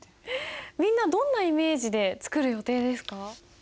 みんなどんなイメージで作る予定ですか？